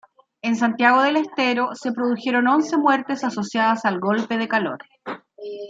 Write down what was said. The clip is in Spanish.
En Santiago del Estero, se produjeron once muertes asociadas al golpe de calor.